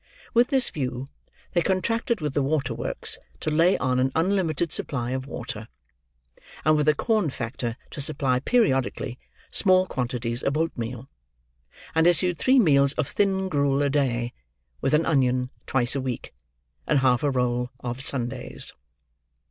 With this view, they contracted with the water works to lay on an unlimited supply of water; and with a corn factor to supply periodically small quantities of oatmeal; and issued three meals of thin gruel a day, with an onion twice a week, and half a roll of Sundays.